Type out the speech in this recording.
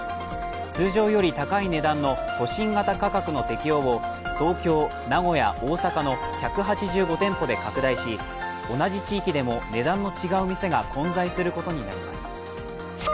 通常より高い値段の都心型価格の適用を東京、名古屋、大阪の１８５店舗で拡大し同じ地域でも値段の違う店が混在することになります。